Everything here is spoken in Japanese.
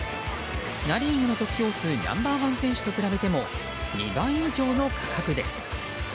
ナ・リーグの得票数ナンバーワン選手と比べても２倍以上の価格です。